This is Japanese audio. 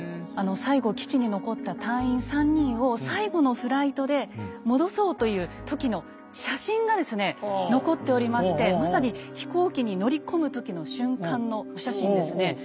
最後基地に残った隊員３人を最後のフライトで戻そうという時の写真がですね残っておりましてまさに飛行機に乗り込む時の瞬間のお写真ですね。